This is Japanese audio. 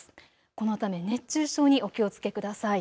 このため熱中症にお気をつけください。